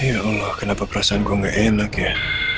ya allah kenapa perasaan gue gak enak ya